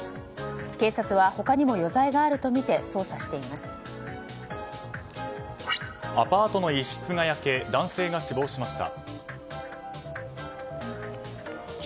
警察は他にも余罪があるとみてアパートの一室が焼け男性が死亡しました。